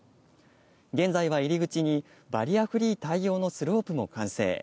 現在は入り口にバリアフリー対応のスロープも完成。